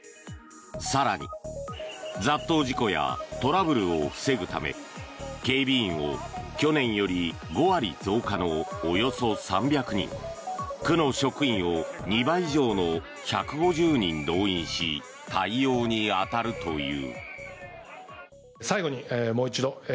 更に、雑踏事故やトラブルを防ぐため警備員を去年より５割増加のおよそ３００人区の職員を２倍以上の１５０人動員し対応に当たるという。